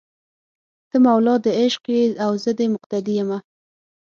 ته مولا دې عشق یې او زه دې مقتدي یمه